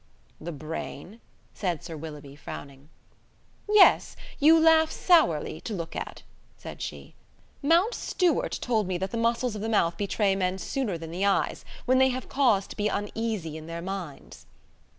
"The brain?" said Sir Willoughby, frowning. "Yes, you laugh sourly, to look at," said she. "Mountstuart told me that the muscles of the mouth betray men sooner than the eyes, when they have cause to be uneasy in their minds."